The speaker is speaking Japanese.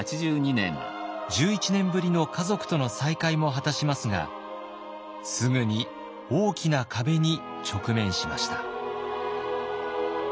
１１年ぶりの家族との再会も果たしますがすぐに大きな壁に直面しました。